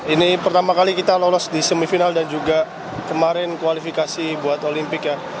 ini pertama kali kita lolos di semifinal dan juga kemarin kualifikasi buat olimpik ya